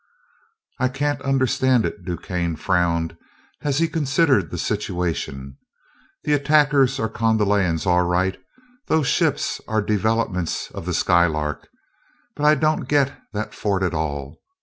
"I can't understand it," DuQuesne frowned as he considered the situation. "The attackers are Kondalians, all right those ships are developments of the Skylark but I don't get that fort at all.